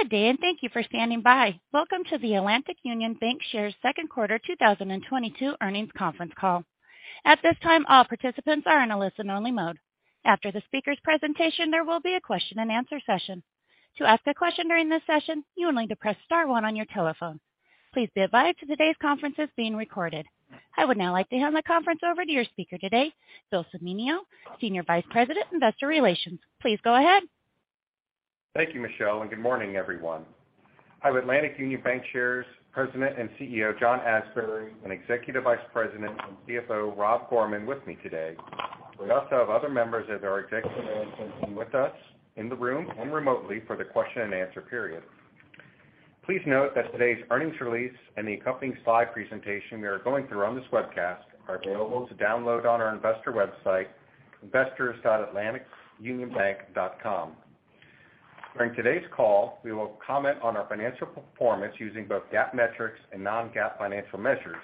Good day, and thank you for standing by. Welcome to the Atlantic Union Bankshares second quarter 2022 earnings conference call. At this time, all participants are in a listen-only mode. After the speaker's presentation, there will be a question and answer session. To ask a question during this session, you will need to press star one on your telephone. Please be advised today's conference is being recorded. I would now like to hand the conference over to your speaker today, Bill Cimino, Senior Vice President, Investor Relations. Please go ahead. Thank you, Michelle, and good morning, everyone. I have Atlantic Union Bankshares President and CEO, John Asbury, and Executive Vice President and CFO, Rob Gorman, with me today. We also have other members of our executive management team with us in the room and remotely for the question and answer period. Please note that today's earnings release and the accompanying slide presentation we are going through on this webcast are available to download on our investor website, investors.atlanticunionbank.com. During today's call, we will comment on our financial performance using both GAAP metrics and non-GAAP financial measures.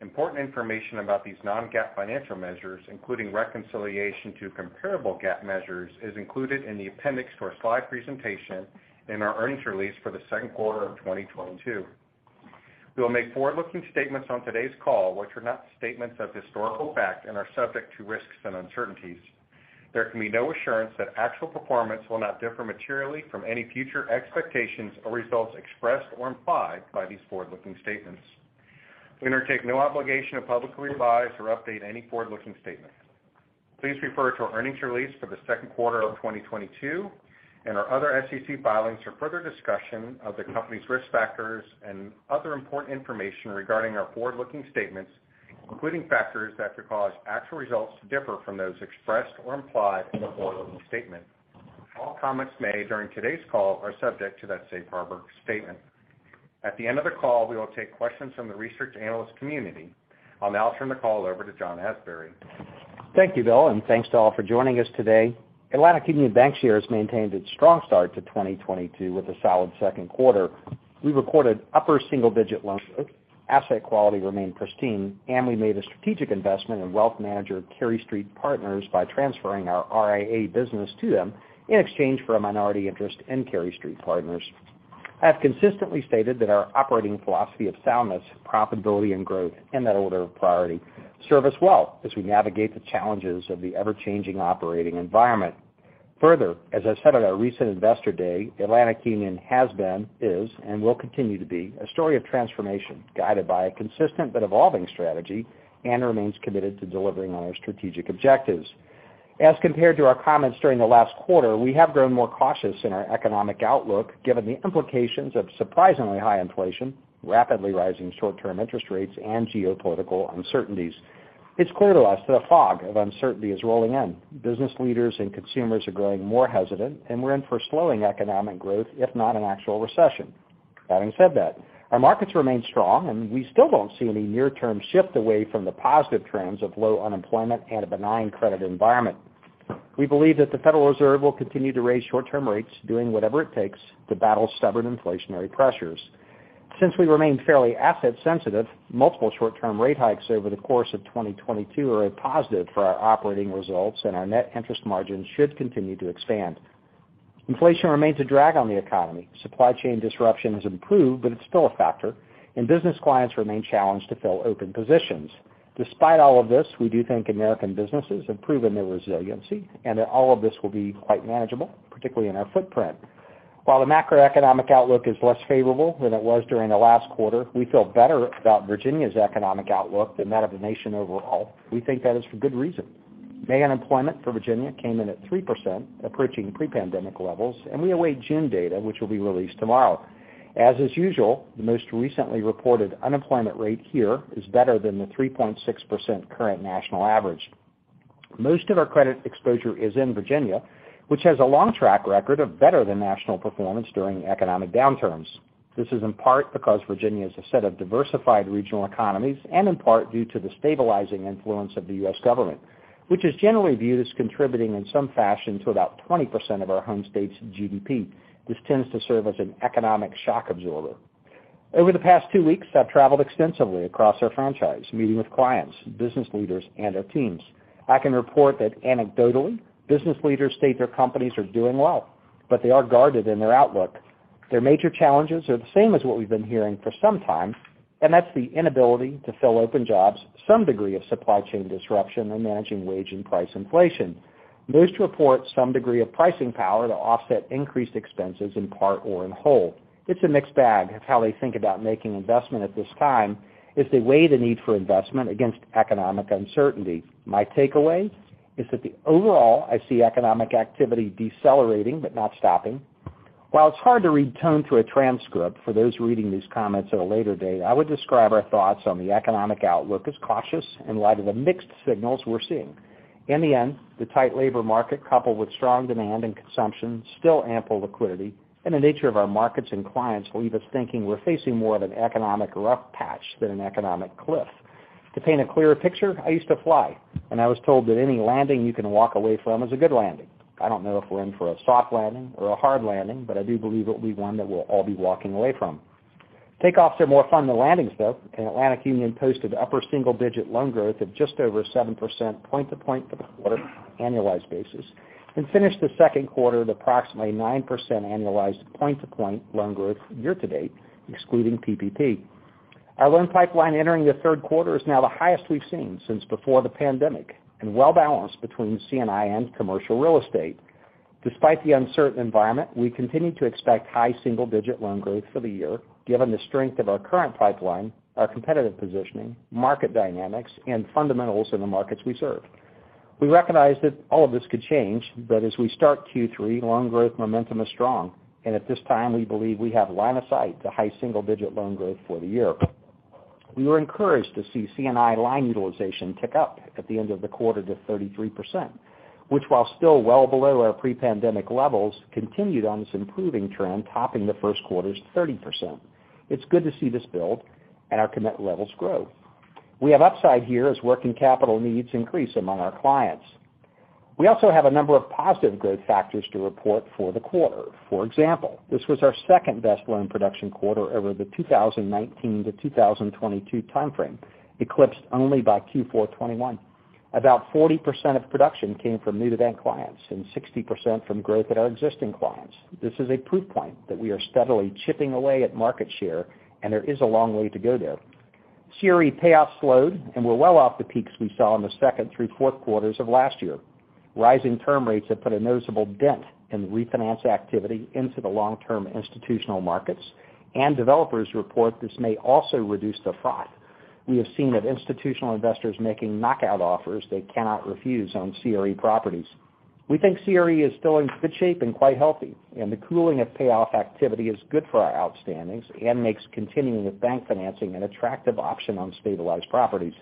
Important information about these non-GAAP financial measures, including reconciliation to comparable GAAP measures, is included in the appendix to our slide presentation in our earnings release for the second quarter of 2022. We will make forward-looking statements on today's call, which are not statements of historical fact and are subject to risks and uncertainties. There can be no assurance that actual performance will not differ materially from any future expectations or results expressed or implied by these forward-looking statements. We undertake no obligation to publicly revise or update any forward-looking statements. Please refer to our earnings release for the second quarter of 2022 and our other SEC filings for further discussion of the company's risk factors and other important information regarding our forward-looking statements, including factors that could cause actual results to differ from those expressed or implied in the forward-looking statement. All comments made during today's call are subject to that safe harbor statement. At the end of the call, we will take questions from the research analyst community. I'll now turn the call over to John Asbury. Thank you, Bill, and thanks to all for joining us today. Atlantic Union Bankshares maintained its strong start to 2022 with a solid second quarter. We recorded upper single-digit loan growth, asset quality remained pristine, and we made a strategic investment in wealth manager Cary Street Partners by transferring our RIA business to them in exchange for a minority interest in Cary Street Partners. I have consistently stated that our operating philosophy of soundness, profitability, and growth, in that order of priority, serve us well as we navigate the challenges of the ever-changing operating environment. Further, as I said at our recent Investor Day, Atlantic Union has been, is, and will continue to be a story of transformation guided by a consistent but evolving strategy and remains committed to delivering on our strategic objectives. As compared to our comments during the last quarter, we have grown more cautious in our economic outlook, given the implications of surprisingly high inflation, rapidly rising short-term interest rates, and geopolitical uncertainties. It's clear to us that a fog of uncertainty is rolling in. Business leaders and consumers are growing more hesitant, and we're in for slowing economic growth, if not an actual recession. Having said that, our markets remain strong, and we still don't see any near-term shift away from the positive trends of low unemployment and a benign credit environment. We believe that the Federal Reserve will continue to raise short-term rates, doing whatever it takes to battle stubborn inflationary pressures. Since we remain fairly asset sensitive, multiple short-term rate hikes over the course of 2022 are a positive for our operating results, and our net interest margin should continue to expand. Inflation remains a drag on the economy. Supply chain disruption has improved, but it's still a factor, and business clients remain challenged to fill open positions. Despite all of this, we do think American businesses have proven their resiliency and that all of this will be quite manageable, particularly in our footprint. While the macroeconomic outlook is less favorable than it was during the last quarter, we feel better about Virginia's economic outlook than that of the nation overall. We think that is for good reason. May unemployment for Virginia came in at 3%, approaching pre-pandemic levels, and we await June data, which will be released tomorrow. As is usual, the most recently reported unemployment rate here is better than the 3.6% current national average. Most of our credit exposure is in Virginia, which has a long track record of better than national performance during economic downturns. This is in part because Virginia is a set of diversified regional economies and in part due to the stabilizing influence of the U.S. government, which is generally viewed as contributing in some fashion to about 20% of our home state's GDP. This tends to serve as an economic shock absorber. Over the past two weeks, I've traveled extensively across our franchise, meeting with clients, business leaders, and our teams. I can report that anecdotally, business leaders state their companies are doing well, but they are guarded in their outlook. Their major challenges are the same as what we've been hearing for some time, and that's the inability to fill open jobs, some degree of supply chain disruption, and managing wage and price inflation. Most report some degree of pricing power to offset increased expenses in part or in whole. It's a mixed bag of how they think about making investment at this time as they weigh the need for investment against economic uncertainty. My takeaway is that the overall I see economic activity decelerating but not stopping. While it's hard to read tone through a transcript for those reading these comments at a later date, I would describe our thoughts on the economic outlook as cautious in light of the mixed signals we're seeing. In the end, the tight labor market, coupled with strong demand and consumption, still ample liquidity, and the nature of our markets and clients leave us thinking we're facing more of an economic rough patch than an economic cliff. To paint a clearer picture, I used to fly, and I was told that any landing you can walk away from is a good landing. I don't know if we're in for a soft landing or a hard landing, but I do believe it will be one that we'll all be walking away from. Takeoffs are more fun than landings though, and Atlantic Union posted upper single-digit loan growth of just over 7% point-to-point for the quarter annualized basis and finished the second quarter at approximately 9% annualized point-to-point loan growth year to date, excluding PPP. Our loan pipeline entering the third quarter is now the highest we've seen since before the pandemic, and well balanced between C&I and commercial real estate. Despite the uncertain environment, we continue to expect high single-digit loan growth for the year, given the strength of our current pipeline, our competitive positioning, market dynamics, and fundamentals in the markets we serve. We recognize that all of this could change, but as we start Q3, loan growth momentum is strong. At this time, we believe we have line of sight to high single-digit loan growth for the year. We were encouraged to see C&I line utilization tick up at the end of the quarter to 33%, which, while still well below our pre-pandemic levels, continued on this improving trend, topping the first quarter's 30%. It's good to see this build and our commit levels grow. We have upside here as working capital needs increase among our clients. We also have a number of positive growth factors to report for the quarter. For example, this was our second-best loan production quarter over the 2019 to 2022 timeframe, eclipsed only by Q4 2021. About 40% of production came from new-to-bank clients and 60% from growth at our existing clients. This is a proof point that we are steadily chipping away at market share, and there is a long way to go there. CRE payoffs slowed and were well off the peaks we saw in the second through fourth quarters of last year. Rising term rates have put a noticeable dent in the refinance activity into the long-term institutional markets, and developers report this may also reduce the flow. We have seen that institutional investors making knockout offers they cannot refuse on CRE properties. We think CRE is still in good shape and quite healthy, and the cooling of payoff activity is good for our outstandings and makes continuing with bank financing an attractive option on stabilized properties.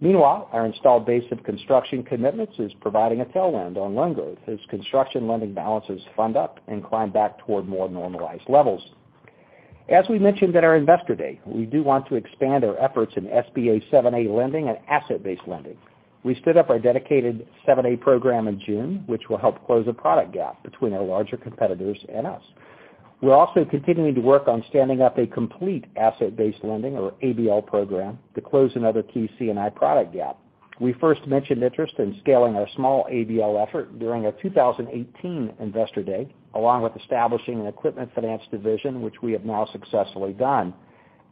Meanwhile, our installed base of construction commitments is providing a tailwind on loan growth as construction lending balances fund up and climb back toward more normalized levels. As we mentioned at our Investor Day, we do want to expand our efforts in SBA 7(a) lending and asset-based lending. We stood up our dedicated 7(a) program in June, which will help close a product gap between our larger competitors and us. We're also continuing to work on standing up a complete asset-based lending or ABL program to close another key C&I product gap. We first mentioned interest in scaling our small ABL effort during our 2018 Investor Day, along with establishing an equipment finance division, which we have now successfully done.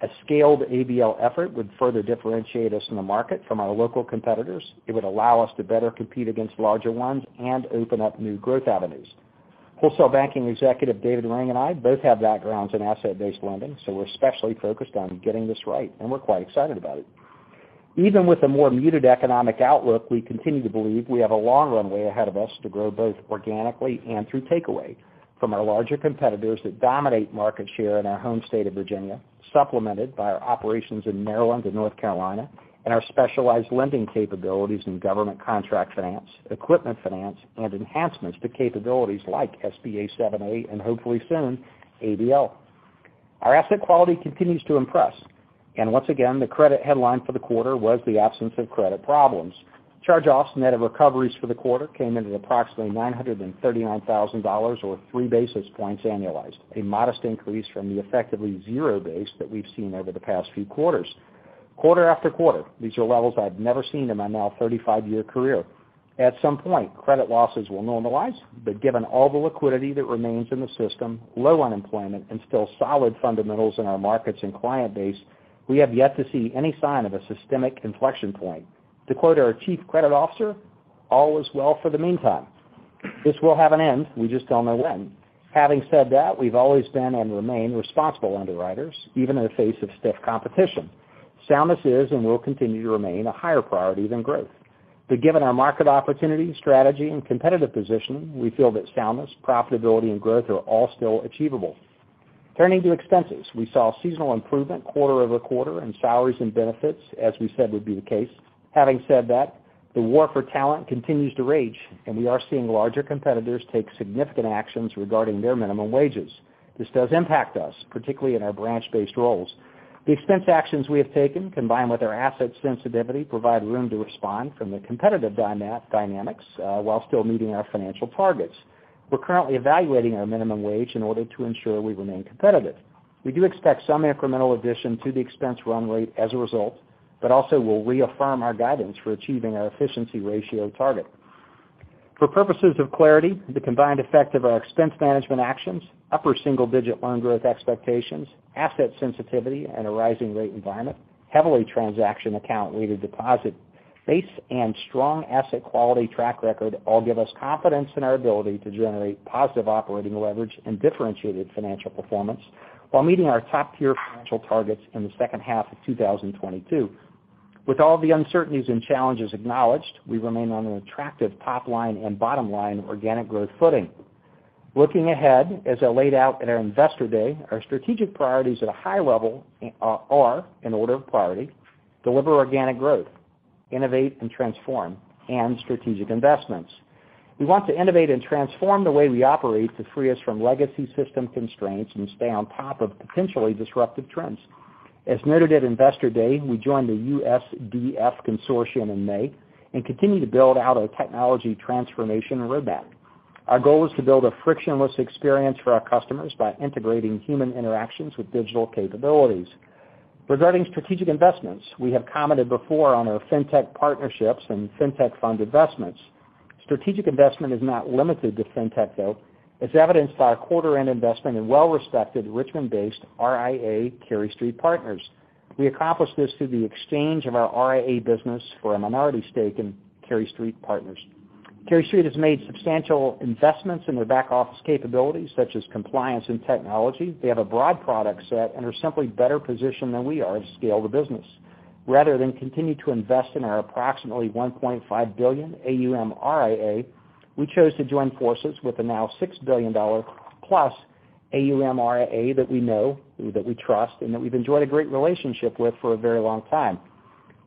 A scaled ABL effort would further differentiate us in the market from our local competitors. It would allow us to better compete against larger ones and open up new growth avenues. Wholesale Banking Executive David Ring and I both have backgrounds in asset-based lending, so we're especially focused on getting this right, and we're quite excited about it. Even with a more muted economic outlook, we continue to believe we have a long runway ahead of us to grow both organically and through takeaway from our larger competitors that dominate market share in our home state of Virginia, supplemented by our operations in Maryland and North Carolina, and our specialized lending capabilities in government contract finance, equipment finance, and enhancements to capabilities like SBA 7(a) and hopefully soon ABL. Our asset quality continues to impress, and once again, the credit headline for the quarter was the absence of credit problems. Charge-offs net of recoveries for the quarter came in at approximately $939,000 or 3 basis points annualized, a modest increase from the effectively zero base that we've seen over the past few quarters. Quarter-after-quarter, these are levels I've never seen in my now 35-year career. At some point, credit losses will normalize, but given all the liquidity that remains in the system, low unemployment, and still solid fundamentals in our markets and client base, we have yet to see any sign of a systemic inflection point. To quote our chief credit officer, "All is well for the meantime." This will have an end. We just don't know when. Having said that, we've always been and remain responsible underwriters, even in the face of stiff competition. Soundness is and will continue to remain a higher priority than growth. Given our market opportunity, strategy, and competitive position, we feel that soundness, profitability, and growth are all still achievable. Turning to expenses, we saw seasonal improvement quarter-over-quarter in salaries and benefits, as we said would be the case. Having said that, the war for talent continues to rage, and we are seeing larger competitors take significant actions regarding their minimum wages. This does impact us, particularly in our branch-based roles. The expense actions we have taken, combined with our asset sensitivity, provide room to respond from the competitive dynamics while still meeting our financial targets. We're currently evaluating our minimum wage in order to ensure we remain competitive. We do expect some incremental addition to the expense run rate as a result, but also we'll reaffirm our guidance for achieving our efficiency ratio target. For purposes of clarity, the combined effect of our expense management actions, upper single-digit loan growth expectations, asset sensitivity in a rising rate environment, heavily transaction account-weighted deposit base, and strong asset quality track record all give us confidence in our ability to generate positive operating leverage and differentiated financial performance while meeting our top-tier financial targets in the second half of 2022. With all the uncertainties and challenges acknowledged, we remain on an attractive top-line and bottom-line organic growth footing. Looking ahead, as I laid out at our Investor Day, our strategic priorities at a high level, are, in order of priority, deliver organic growth, innovate and transform, and strategic investments. We want to innovate and transform the way we operate to free us from legacy system constraints and stay on top of potentially disruptive trends. As noted at Investor Day, we joined the USDF Consortium in May and continue to build out our technology transformation roadmap. Our goal is to build a frictionless experience for our customers by integrating human interactions with digital capabilities. Regarding strategic investments, we have commented before on our Fintech partnerships and Fintech fund investments. Strategic investment is not limited to Fintech, though, as evidenced by our quarter end investment in well-respected Richmond-based RIA Cary Street Partners. We accomplished this through the exchange of our RIA business for a minority stake in Cary Street Partners. Cary Street has made substantial investments in their back-office capabilities, such as compliance and technology. They have a broad product set and are simply better positioned than we are to scale the business. Rather than continue to invest in our approximately $1.5 billion AUM RIA, we chose to join forces with the now $6 billion+ AUM RIA that we know, that we trust, and that we've enjoyed a great relationship with for a very long time.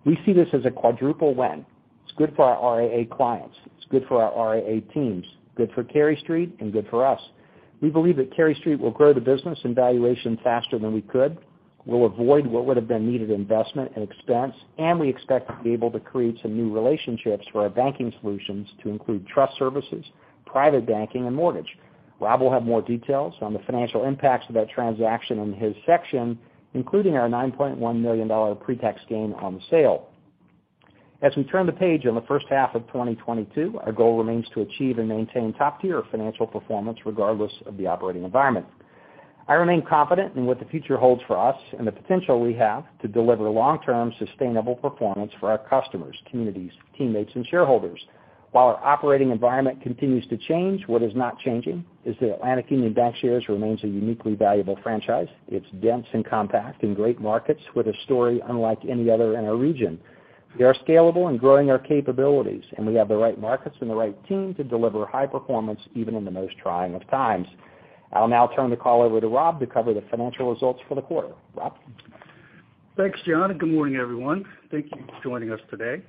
We see this as a quadruple win. It's good for our RIA clients, it's good for our RIA teams, good for Cary Street, and good for us. We believe that Cary Street will grow the business and valuation faster than we could. We'll avoid what would have been needed investment and expense, and we expect to be able to create some new relationships for our banking solutions to include trust services, private banking and mortgage. Rob will have more details on the financial impacts of that transaction in his section, including our $9.1 million pre-tax gain on the sale. As we turn the page on the first half of 2022, our goal remains to achieve and maintain top-tier financial performance regardless of the operating environment. I remain confident in what the future holds for us and the potential we have to deliver long-term sustainable performance for our customers, communities, teammates, and shareholders. While our operating environment continues to change, what is not changing is that Atlantic Union Bankshares remains a uniquely valuable franchise. It's dense and compact in great markets with a story unlike any other in our region. We are scalable and growing our capabilities, and we have the right markets and the right team to deliver high performance even in the most trying of times. I'll now turn the call over to Rob to cover the financial results for the quarter. Rob? Thanks, John, and good morning, everyone. Thank you for joining us today.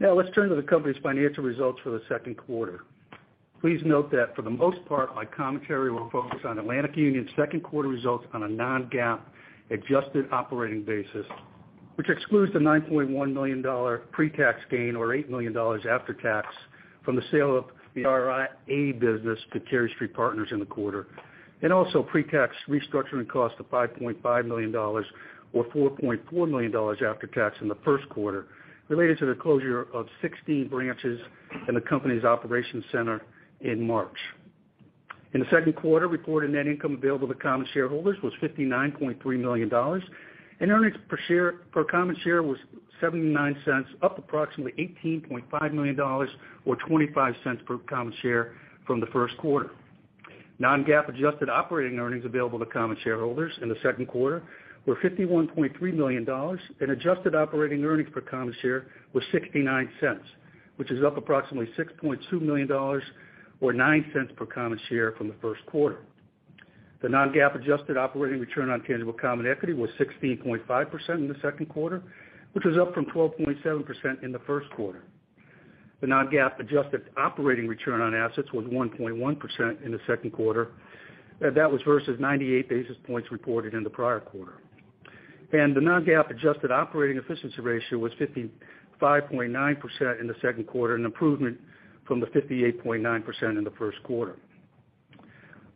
Now let's turn to the company's financial results for the second quarter. Please note that for the most part, my commentary will focus on Atlantic Union's second quarter results on a non-GAAP adjusted operating basis, which excludes the $9.1 million pre-tax gain or $8 million after tax from the sale of the RIA business to Cary Street Partners in the quarter and also pre-tax restructuring costs of $5.5 million or $4.4 million after tax in the first quarter related to the closure of 16 branches in the company's operations center in March. In the second quarter, reported net income available to common shareholders was $59.3 million, and earnings per share, per common share was $0.79, up approximately $18.5 million or $0.25 per common share from the first quarter. Non-GAAP adjusted operating earnings available to common shareholders in the second quarter were $51.3 million, and adjusted operating earnings per common share was $0.69, which is up approximately $6.2 million or $0.09 per common share from the first quarter. The non-GAAP adjusted operating return on tangible common equity was 16.5% in the second quarter, which was up from 12.7% in the first quarter. The non-GAAP adjusted operating return on assets was 1.1% in the second quarter. That was versus 98 basis points reported in the prior quarter. The non-GAAP adjusted operating efficiency ratio was 55.9% in the second quarter, an improvement from the 58.9% in the first quarter.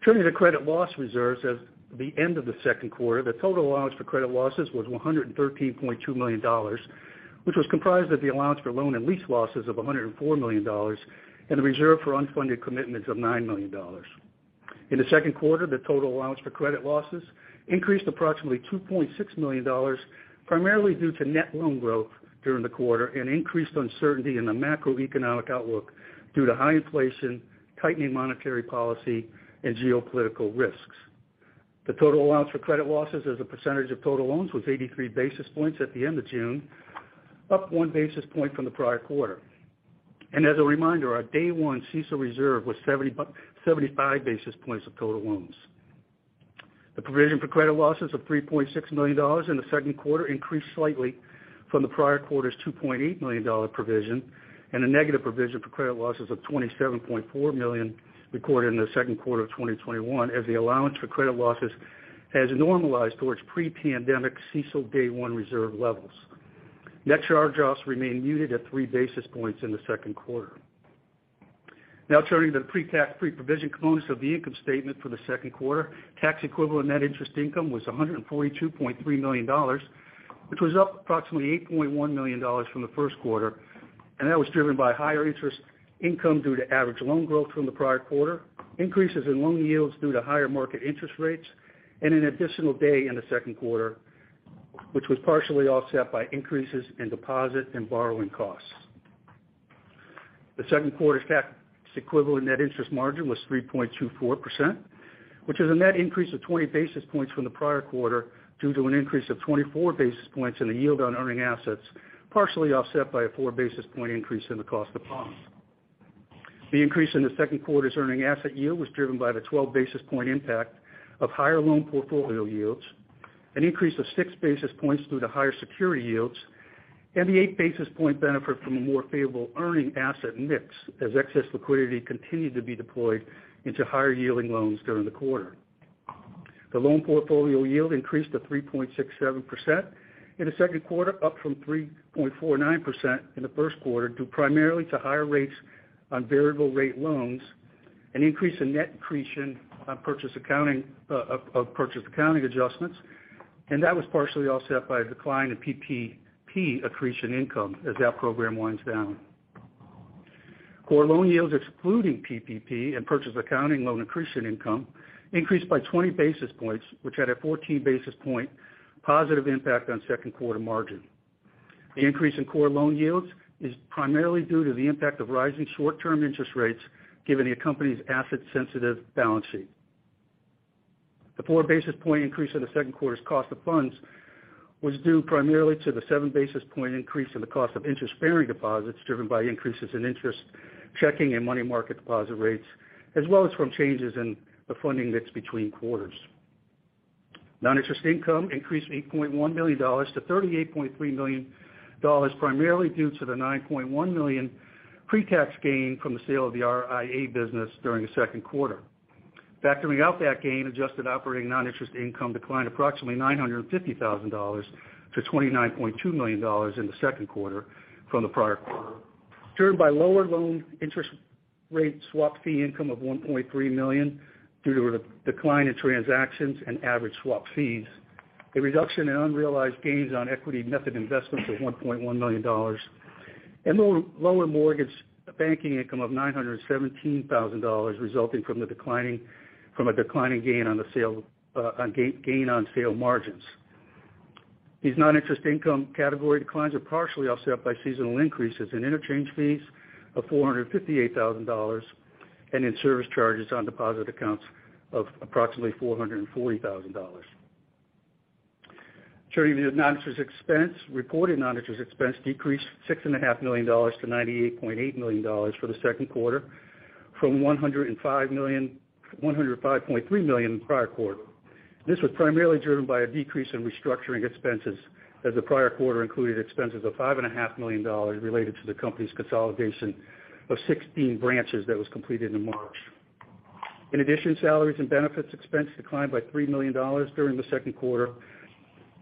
Turning to credit loss reserves at the end of the second quarter, the total allowance for credit losses was $113.2 million, which was comprised of the allowance for loan and lease losses of $104 million and the reserve for unfunded commitments of $9 million. In the second quarter, the total allowance for credit losses increased approximately $2.6 million, primarily due to net loan growth during the quarter and increased uncertainty in the macroeconomic outlook due to high inflation, tightening monetary policy, and geopolitical risks. The total allowance for credit losses as a percentage of total loans was 83 basis points at the end of June, up 1 basis point from the prior quarter. As a reminder, our day one CECL reserve was 75 basis points of total loans. The provision for credit losses of $3.6 million in the second quarter increased slightly from the prior quarter's $2.8 million dollar provision and a negative provision for credit losses of $27.4 million recorded in the second quarter of 2021 as the allowance for credit losses has normalized towards pre-pandemic CECL day one reserve levels. Net charge-offs remain muted at 3 basis points in the second quarter. Now turning to the pre-tax, pre-provision components of the income statement for the second quarter. Tax equivalent net interest income was $142.3 million, which was up approximately $8.1 million from the first quarter, and that was driven by higher interest income due to average loan growth from the prior quarter, increases in loan yields due to higher market interest rates, and an additional day in the second quarter, which was partially offset by increases in deposit and borrowing costs. The second quarter's tax equivalent net interest margin was 3.24%, which is a net increase of 20 basis points from the prior quarter due to an increase of 24 basis points in the yield on earning assets, partially offset by a 4 basis point increase in the cost of funds. The increase in the second quarter's earning asset yield was driven by the 12 basis point impact of higher loan portfolio yields, an increase of 6 basis points due to higher security yields, and the 8 basis point benefit from a more favorable earning asset mix as excess liquidity continued to be deployed into higher-yielding loans during the quarter. The loan portfolio yield increased to 3.67% in the second quarter, up from 3.49% in the first quarter, due primarily to higher rates on variable rate loans, an increase in net accretion on purchase accounting adjustments. That was partially offset by a decline in PPP accretion income as that program winds down. Core loan yields excluding PPP and purchase accounting loan accretion income increased by 20 basis points, which had a 14 basis point positive impact on second quarter margin. The increase in core loan yields is primarily due to the impact of rising short-term interest rates given the company's asset-sensitive balance sheet. The four basis point increase in the second quarter's cost of funds was due primarily to the seven basis point increase in the cost of interest-bearing deposits driven by increases in interest checking and money market deposit rates, as well as from changes in the funding mix between quarters. Non-interest income increased $8.1 million to $38.3 million, primarily due to the $9.1 million pre-tax gain from the sale of the RIA business during the second quarter. Factoring out that gain, adjusted operating non-interest income declined approximately $950,000 to $29.2 million in the second quarter from the prior quarter, driven by lower loan interest rate swap fee income of $1.3 million due to a decline in transactions and average swap fees, a reduction in unrealized gains on equity method investments of $1.1 million, and lower mortgage banking income of $917,000 resulting from a declining gain on sale margins. These non-interest income category declines are partially offset by seasonal increases in interchange fees of $458,000 and in service charges on deposit accounts of approximately $440,000. Turning to the non-interest expense. Reported non-interest expense decreased $6.5 million to $98.8 million for the second quarter from $105.3 million in the prior quarter. This was primarily driven by a decrease in restructuring expenses as the prior quarter included expenses of $5.5 million related to the company's consolidation of 16 branches that was completed in March. In addition, salaries and benefits expense declined by $3 million during the second quarter,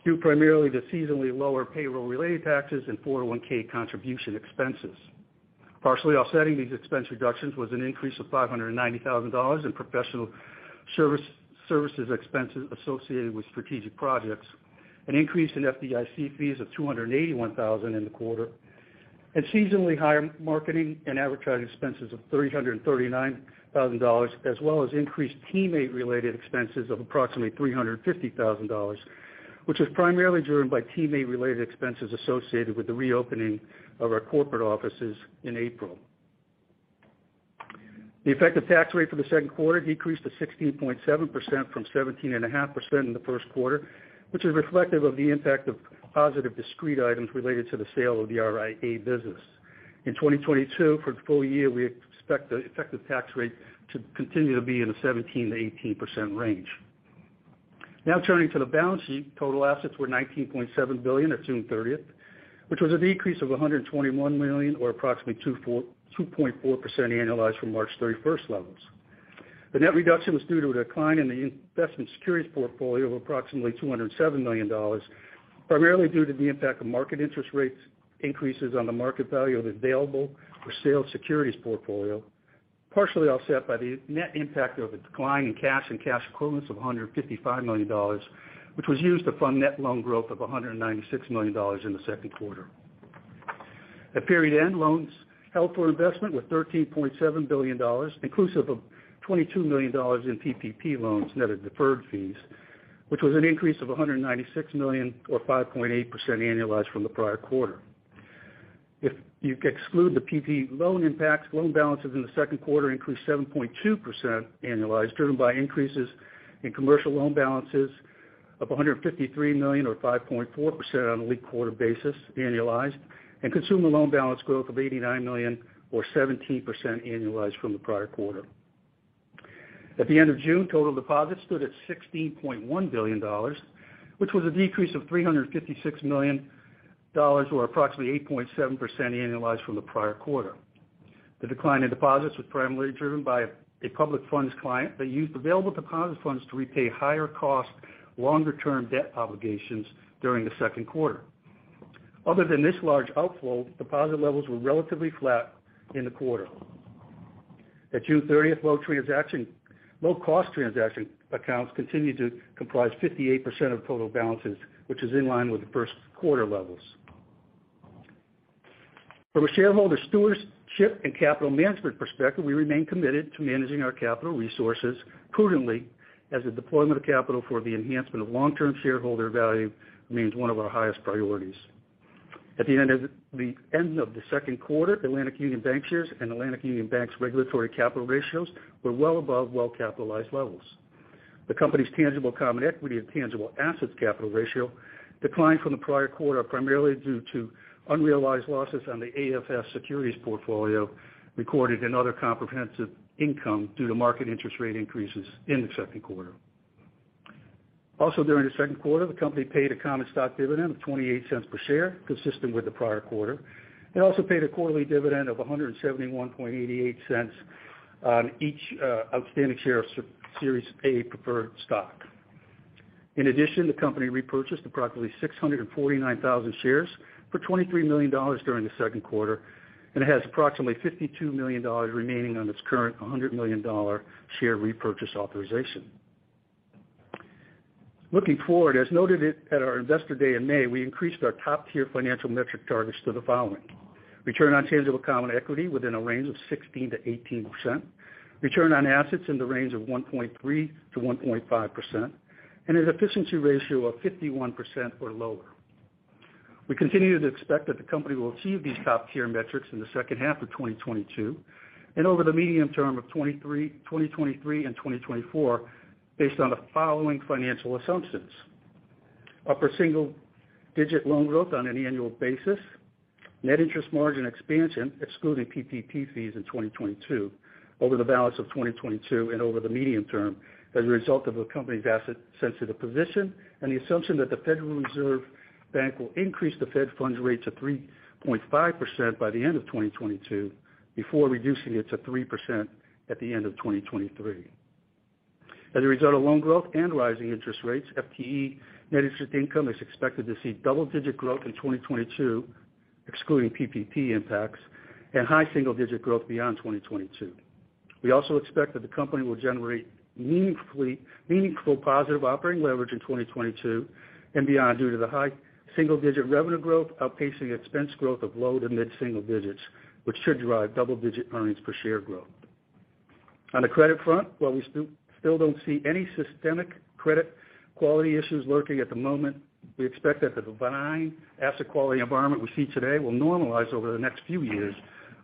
due primarily to seasonally lower payroll-related taxes and 401(k) contribution expenses. Partially offsetting these expense reductions was an increase of $590,000 in professional services expenses associated with strategic projects, an increase in FDIC fees of $281,000 in the quarter, and seasonally higher marketing and advertising expenses of $339,000, as well as increased TeamMate-related expenses of approximately $350,000, which was primarily driven by TeamMate-related expenses associated with the reopening of our corporate offices in April. The effective tax rate for the second quarter decreased to 16.7% from 17.5% in the first quarter, which is reflective of the impact of positive discrete items related to the sale of the RIA business. In 2022, for the full year, we expect the effective tax rate to continue to be in the 17%-18% range. Now turning to the balance sheet. Total assets were $19.7 billion at June 30th, which was a decrease of $121 million, or approximately 2.4% annualized from March 31st levels. The net reduction was due to a decline in the investment securities portfolio of approximately $207 million, primarily due to the impact of market interest rates increases on the market value of available for sale securities portfolio, partially offset by the net impact of a decline in cash and cash equivalents of $155 million, which was used to fund net loan growth of $196 million in the second quarter. At period end, loans held for investment were $13.7 billion, inclusive of $22 million in PPP loans, net of deferred fees, which was an increase of $196 million or 5.8% annualized from the prior quarter. If you exclude the PPP loan impacts, loan balances in the second quarter increased 7.2% annualized, driven by increases in commercial loan balances of $153 million or 5.4% on a linked quarter basis annualized, and consumer loan balance growth of $89 million or 17% annualized from the prior quarter. At the end of June, total deposits stood at $16.1 billion, which was a decrease of $356 million or approximately 8.7% annualized from the prior quarter. The decline in deposits was primarily driven by a public funds client that used available deposit funds to repay higher cost longer-term debt obligations during the second quarter. Other than this large outflow, deposit levels were relatively flat in the quarter. At June thirtieth, low cost transaction accounts continued to comprise 58% of total balances, which is in line with the first quarter levels. From a shareholder stewardship and capital management perspective, we remain committed to managing our capital resources prudently as the deployment of capital for the enhancement of long-term shareholder value remains one of our highest priorities. At the end of the second quarter, Atlantic Union Bankshares and Atlantic Union Bank's regulatory capital ratios were well above well-capitalized levels. The company's tangible common equity and tangible assets capital ratio declined from the prior quarter, primarily due to unrealized losses on the AFS securities portfolio recorded in other comprehensive income due to market interest rate increases in the second quarter. Also during the second quarter, the company paid a common stock dividend of $0.28 per share, consistent with the prior quarter. It also paid a quarterly dividend of $1.7188 on each outstanding share of Series A preferred stock. In addition, the company repurchased approximately 649,000 shares for $23 million during the second quarter, and it has approximately $52 million remaining on its current $100 million share repurchase authorization. Looking forward, as noted at our Investor Day in May, we increased our top-tier financial metric targets to the following, return on tangible common equity within a range of 16%-18%, return on assets in the range of 1.3%-1.5%, and an efficiency ratio of 51% or lower. We continue to expect that the company will achieve these top-tier metrics in the second half of 2022 and over the medium term of 2023 and 2024 based on the following financial assumptions: upper single-digit loan growth on an annual basis, net interest margin expansion excluding PPP fees in 2022 over the balance of 2022 and over the medium term as a result of the company's asset sensitive position and the assumption that the Federal Reserve Bank will increase the Fed funds rate to 3.5% by the end of 2022 before reducing it to 3% at the end of 2023. As a result of loan growth and rising interest rates, FTE net interest income is expected to see double-digit growth in 2022, excluding PPP impacts, and high single-digit growth beyond 2022. We also expect that the company will generate meaningful positive operating leverage in 2022 and beyond due to the high single-digit revenue growth outpacing expense growth of low to mid-single digits, which should drive double-digit earnings per share growth. On the credit front, while we still don't see any systemic credit quality issues lurking at the moment, we expect that the benign asset quality environment we see today will normalize over the next few years,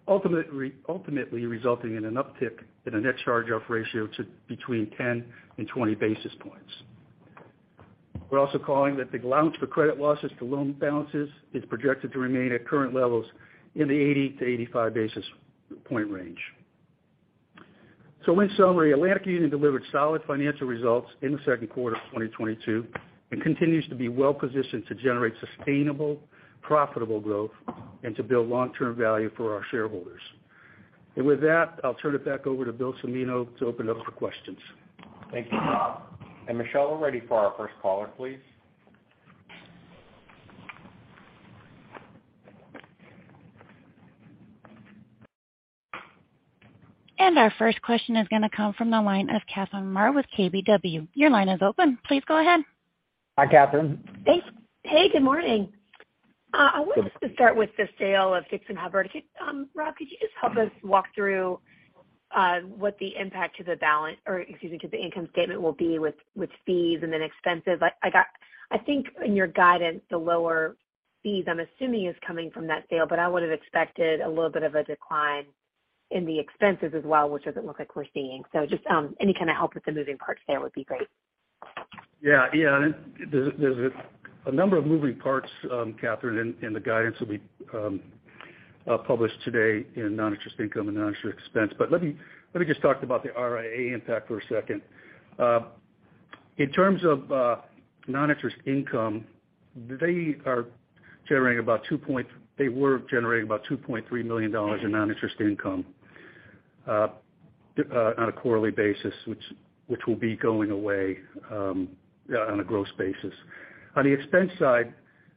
ultimately resulting in an uptick in the net charge-off ratio to between 10 and 20 basis points. We're also calling that the allowance for credit losses to loan balances is projected to remain at current levels in the 80-85 basis point range. In summary, Atlantic Union delivered solid financial results in the second quarter of 2022 and continues to be well positioned to generate sustainable, profitable growth and to build long-term value for our shareholders. With that, I'll turn it back over to Bill Cimino to open up for questions. Thank you, Rob. Michelle, we're ready for our first caller, please. Our first question is going to come from the line of Catherine Mealor with KBW. Your line is open. Please go ahead. Hi, Catherine. Thanks. Hey, good morning. Good- I wanted to start with the sale of Dixon, Hubard, Feinour & Brown. Rob, could you just help us walk through what the impact to the income statement will be with fees and then expenses? I think in your guidance, the lower fees I'm assuming is coming from that sale, but I would have expected a little bit of a decline in the expenses as well, which doesn't look like we're seeing. Just any kind of help with the moving parts there would be great. There's a number of moving parts, Catherine, in the guidance that we published today in non-interest income and non-interest expense. But let me just talk about the RIA impact for a second. In terms of non-interest income, they were generating about $2.3 million in non-interest income on a quarterly basis, which will be going away on a gross basis. On the expense side,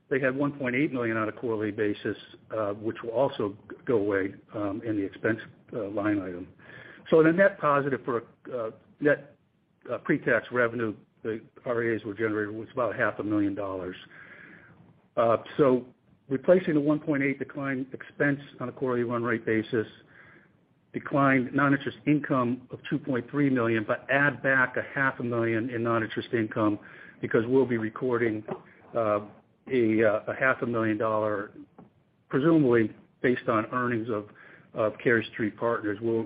they had $1.8 million on a quarterly basis, which will also go away in the expense line item. So the net positive for net pre-tax revenue the RIAs were generating was about $500,000. Replacing the $1.8 million decline in expense on a quarterly run rate basis, declined non-interest income of $2.3 million, but add back $500,000 in non-interest income because we'll be recording $500,000, presumably based on earnings of Cary Street Partners. We'll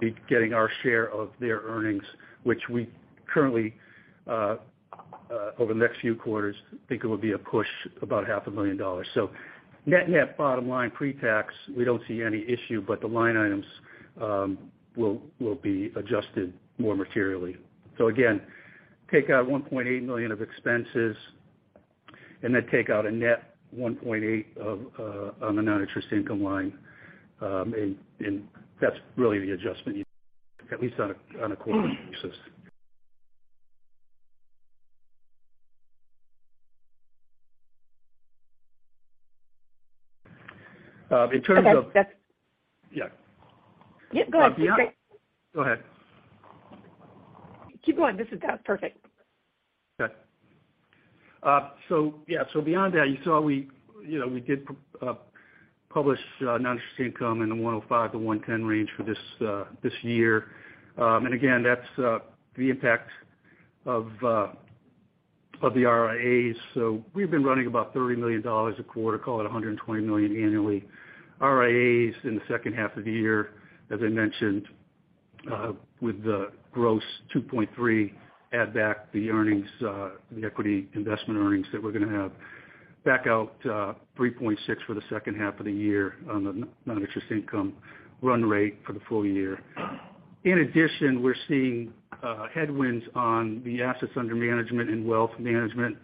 be getting our share of their earnings, which we currently, over the next few quarters, think it will be a push about $500,000. Net-net bottom line pre-tax, we don't see any issue, but the line items will be adjusted more materially. Again, take out $1.8 million of expenses and then take out a net $1.8 million on the non-interest income line. And that's really the adjustment you need, at least on a quarterly basis. In terms of- Okay. That's. Yeah. Yeah. Go ahead. Go ahead. Keep going. This is perfect. Beyond that, you saw we, you know, we did publish non-interest income in the $105 million-$110 million range for this year. Again, that's the impact of the RIAs. We've been running about $30 million a quarter, call it $120 million annually. RIAs in the second half of the year, as I mentioned, with the gross $2.3, add back the earnings, the equity investment earnings that we're going to have. Back out $3.6 for the second half of the year on the non-interest income run rate for the full year. In addition, we're seeing headwinds on the assets under management and wealth management.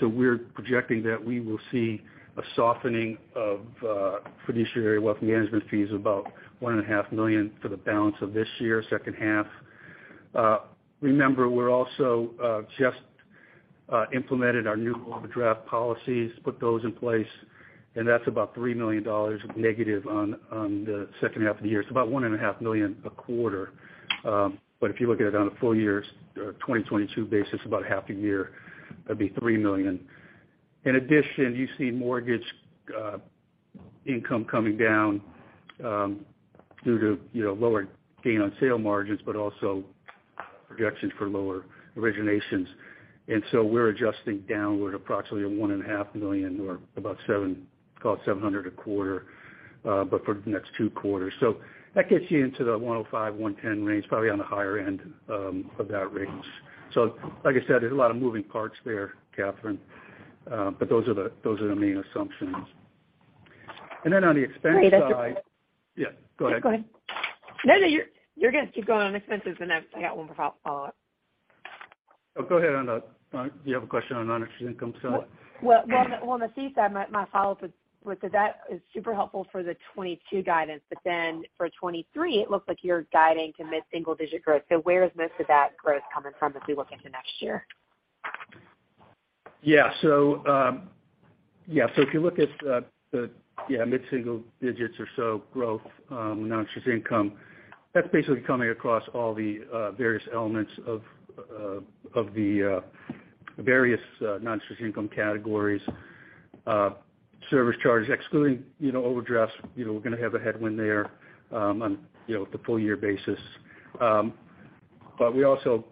We're projecting that we will see a softening of fiduciary wealth management fees about $1.5 million for the balance of this year, second half. Remember, we're also just implemented our new overdraft policies, put those in place, and that's about $3 million negative on the second half of the year. It's about $1.5 million a quarter. But if you look at it on a full year 2022 basis, about half a year, that'd be $3 million. In addition, you see mortgage income coming down due to you know lower gain on sale margins, but also projections for lower originations. We're adjusting downward approximately $1.5 million or about, call it $700 a quarter, but for the next two quarters. That gets you into the $105 million-$110 million range, probably on the higher end of that range. Like I said, there's a lot of moving parts there, Catherine. Those are the main assumptions. On the expense side. Great. Yeah, go ahead. Yes, go ahead. No, no, you're good. Keep going on expenses, and I've got one more follow up. Oh, go ahead, you have a question on non-interest income, so. Well on the fee side, my follow-up with that is super helpful for the 2022 guidance. For 2023, it looks like you're guiding to mid-single digit growth. Where is most of that growth coming from as we look into next year? If you look at the mid-single digits or so growth in non-interest income, that's basically coming across all the various elements of the various non-interest income categories. Service charges excluding, you know, overdrafts. You know, we're gonna have a headwind there on the full year basis. We also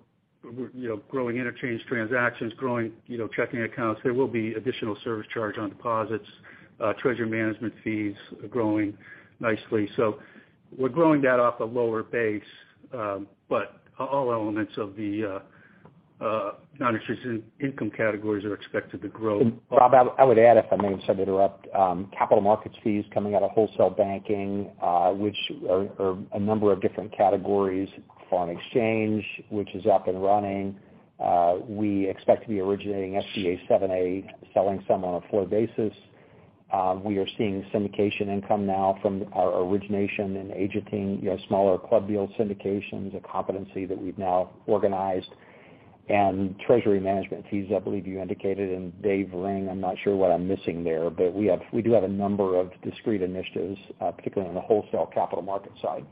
you know growing interchange transactions, growing you know checking accounts. There will be additional service charge on deposits, treasury management fees growing nicely. We're growing that off a lower base, but all elements of the non-interest income categories are expected to grow. Rob, I would add if I may, sorry to interrupt, capital markets fees coming out of wholesale banking, which are a number of different categories. Foreign exchange, which is up and running. We expect to be originating SBA 7(a), selling some on a forward basis. We are seeing syndication income now from our origination and agenting, you know, smaller club deal syndications, a competency that we've now organized. Treasury management fees, I believe you indicated. Dave Ring, I'm not sure what I'm missing there, but we do have a number of discrete initiatives, particularly on the wholesale capital market side.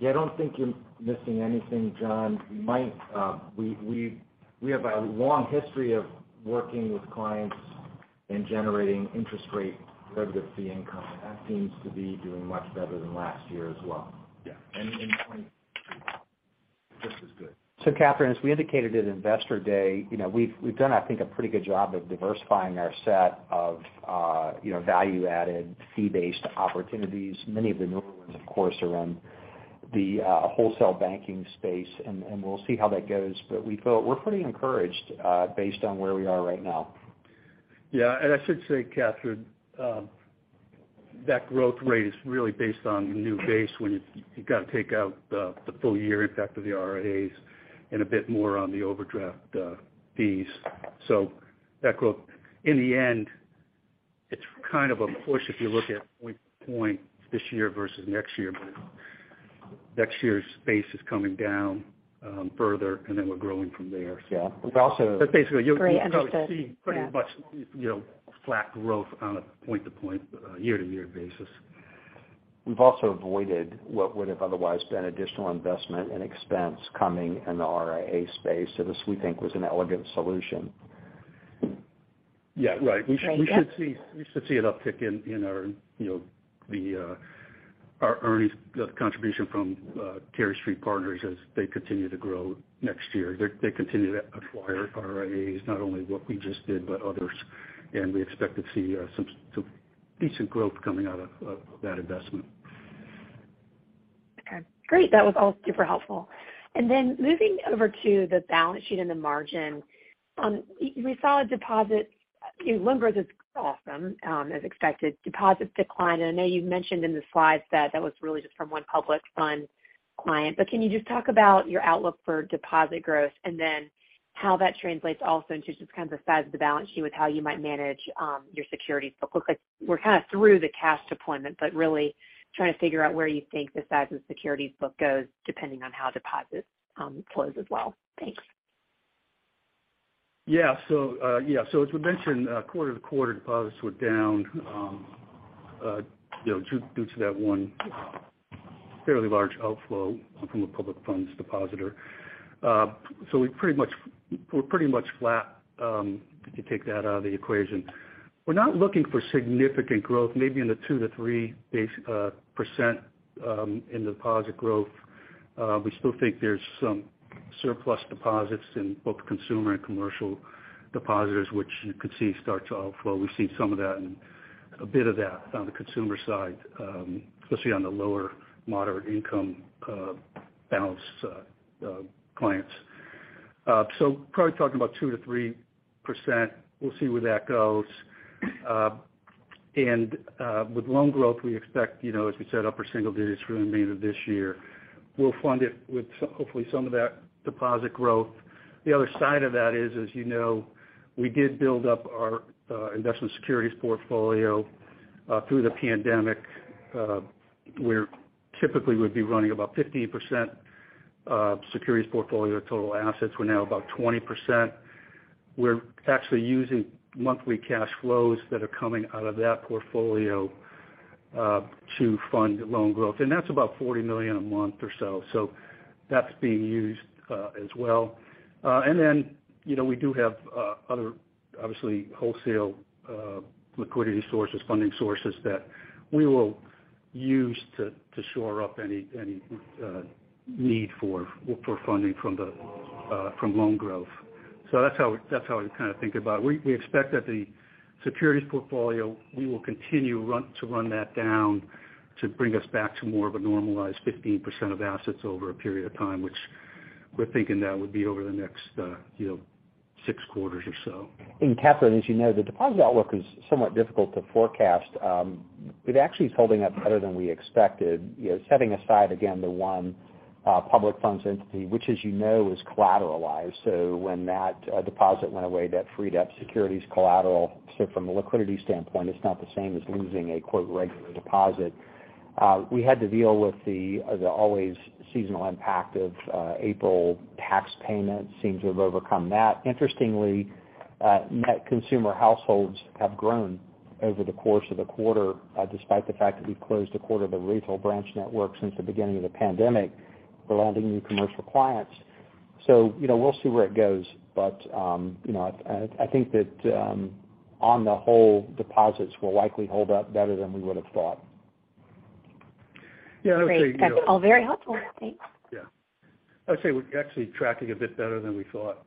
Yeah, I don't think you're missing anything, John. We might, we have a long history of working with clients and generating interest rate derivative fee income. That seems to be doing much better than last year as well. Yeah. 2022 looks as good. Catherine, as we indicated at Investor Day, you know, we've done I think a pretty good job of diversifying our set of, you know, value-added fee-based opportunities. Many of the newer ones of course are in the, wholesale banking space and we'll see how that goes. But we feel we're pretty encouraged, based on where we are right now. Yeah. I should say, Catherine, that growth rate is really based on the new base when you gotta take out the full year impact of the RIAs and a bit more on the overdraft fees. That growth in the end, it's kind of a push if you look at point to point this year versus next year. But next year's base is coming down further, and then we're growing from there. Yeah. We've also. Basically you'll probably see. Great. Understood. Yeah Pretty much, you know, flat growth on a point-to-point, year-to-year basis. We've also avoided what would've otherwise been additional investment and expense coming in the RIA space. This we think was an elegant solution. Yeah. Right. Right. Yep We should see an uptick in our, you know, our earnings contribution from Cary Street Partners as they continue to grow next year. They continue to acquire RIAs, not only what we just did, but others. We expect to see some decent growth coming out of that investment. Okay. Great. That was all super helpful. Moving over to the balance sheet and the margin, we saw deposits, you know, loan growth is awesome, as expected. Deposits declined, and I know you've mentioned in the slides that that was really just from one public fund client. Can you just talk about your outlook for deposit growth, and then how that translates also into just kind of the size of the balance sheet with how you might manage your securities book? Looks like we're kind of through the cash deployment, but really trying to figure out where you think the size of the securities book goes depending on how deposits close as well. Thank you. Yeah. As we mentioned, quarter-over-quarter deposits were down, you know, due to that one fairly large outflow from a public funds depositor. We're pretty much flat, if you take that out of the equation. We're not looking for significant growth maybe in the 2%-3% in deposit growth. We still think there's some surplus deposits in both consumer and commercial depositors, which you could see start to outflow. We've seen some of that in a bit of that on the consumer side, especially on the low- and moderate-income balances, clients. Probably talking about 2%-3%. We'll see where that goes. With loan growth, we expect, you know, as we said, upper single digits for the remainder of this year. We'll fund it with hopefully some of that deposit growth. The other side of that is, as you know, we did build up our investment securities portfolio through the pandemic. Typically would be running about 15% securities portfolio of total assets. We're now about 20%. We're actually using monthly cash flows that are coming out of that portfolio to fund loan growth, and that's about $40 million a month or so. That's being used, as well. You know, we do have other, obviously, wholesale liquidity sources, funding sources that we will use to shore up any need for funding from loan growth. That's how I kind of think about it. We expect that the securities portfolio, we will continue to run that down to bring us back to more of a normalized 15% of assets over a period of time, which we're thinking that would be over the next six quarters or so. Catherine, as you know, the deposit outlook is somewhat difficult to forecast. Actually it's holding up better than we expected, you know, setting aside again the one public funds entity, which as you know is collateralized. When that deposit went away, that freed up securities collateral. From a liquidity standpoint, it's not the same as losing a, quote, "regular deposit." We had to deal with the always seasonal impact of April tax payments, seems to have overcome that. Interestingly, net consumer households have grown over the course of the quarter, despite the fact that we've closed a quarter of the retail branch network since the beginning of the pandemic for lending new commercial clients. You know, we'll see where it goes. You know, I think that, on the whole, deposits will likely hold up better than we would have thought. Yeah, I would say, you know. Great. That's all very helpful. Thanks. Yeah. I would say we're actually tracking a bit better than we thought,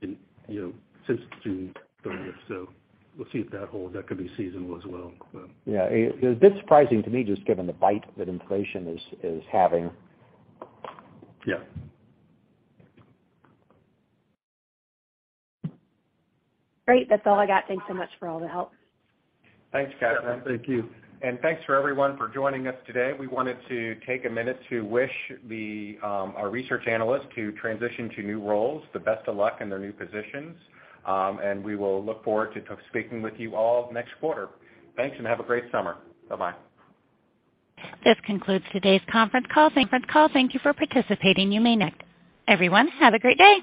you know, since June thirtieth, so we'll see if that holds. That could be seasonal as well, but. Yeah. It was a bit surprising to me just given the bite that inflation is having. Yeah. Great. That's all I got. Thanks so much for all the help. Thanks, Catherine. Yeah. Thank you. Thanks to everyone for joining us today. We wanted to take a minute to wish our research analyst who transitioned to new roles the best of luck in their new positions. We will look forward to speaking with you all next quarter. Thanks, and have a great summer. Bye-bye. This concludes today's conference call. Thank you for participating. Everyone, have a great day.